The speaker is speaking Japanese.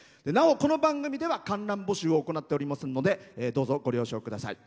この番組で観覧募集を行っておりませんのでどうぞ、ご了承ください。